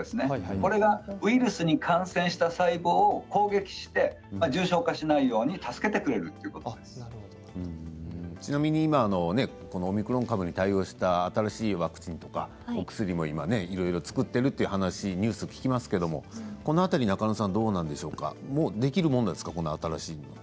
これがウイルスに感染した細胞を攻撃して重症化しないように助けてくれるちなみに今オミクロン株に対応した新しいワクチンとかお薬も今、いろいろ作っているというニュースを聞きますけどこの辺りはどうなんでしょうかできるものなんですか？